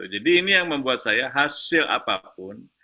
jadi ini yang membuat saya hasil apapun